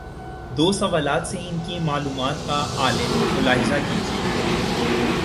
دو سوالات سے ان کی معلومات کا عالم ملاحظہ کیجیے۔